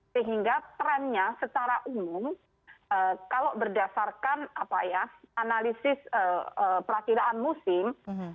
sehingga trennya secara umum kalau berdasarkan analisis perakiraan musim